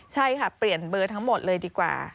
ใช่ค่ะเปลี่ยนเบอร์ทั้งหมดเลยดีกว่า